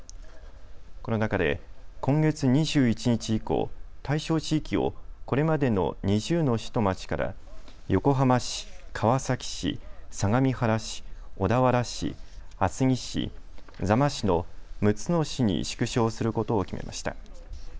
この中で今月２１日以降、対象地域をこれまでの２０の市と町から横浜市、川崎市、相模原市、小田原市、厚木市、座間市の６つの市に縮小することを決めました。